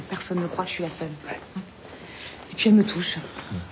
うん。